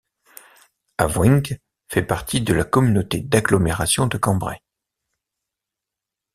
Awoingt fait partie de la Communauté d'agglomération de Cambrai.